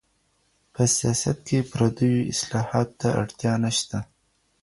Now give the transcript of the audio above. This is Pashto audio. په سياست کي پرديو اصطلاحاتو ته اړتيا نشته.